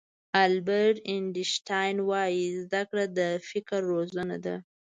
البرټ آینشټاین وایي زده کړه د فکر روزنه ده.